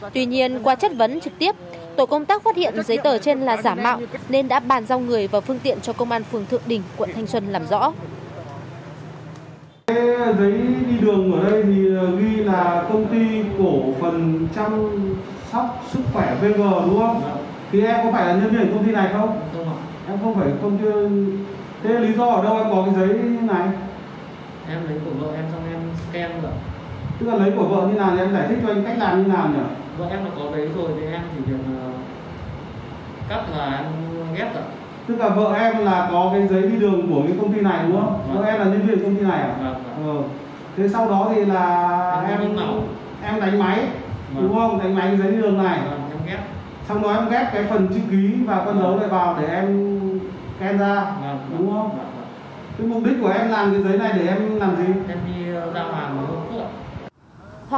tuy nhiên qua chất vấn trực tiếp tổ công tác phát hiện giấy tờ trên là giả mạo nên đã bàn giao người vào phương tiện cho công an phường thượng đình quận thanh xuân làm rõ